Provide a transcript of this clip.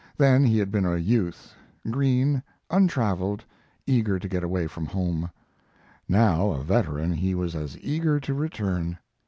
Then he had been a youth, green, untraveled, eager to get away from home. Now a veteran, he was as eager to return.